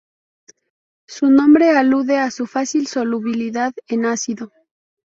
Su nombre alude a su fácil solubilidad en ácido.